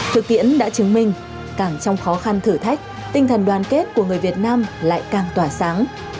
thực tiễn đã chứng minh càng trong khó khăn thử thách tinh thần đoàn kết của người việt nam lại càng tỏa sáng